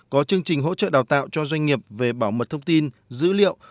có chương trình hỗ trợ đào tạo cho doanh nghiệp về bảo mật thông tin dữ liệu